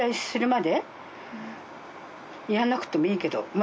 やんなくてもいいけど。